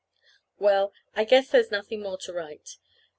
Well, I guess there's nothing more to write.